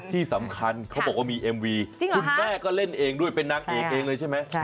ที่สำคัญเขาบอกว่ามีเอ็มวีคุณแม่ก็เล่นเองด้วยเป็นนางเอกเองเลยใช่ไหม